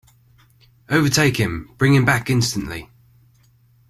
Overtake him; bring him back instantly!